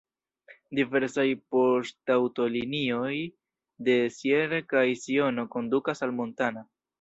Diversaj poŝtaŭtolinioj de Sierre kaj de Siono kondukas al Montana.